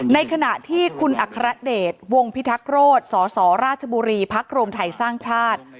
ในขณะที่คุณอัครเดชวงพิทักษโรธสสราชบุรีพักรวมไทยสร้างชาติ